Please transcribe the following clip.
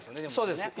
そうです。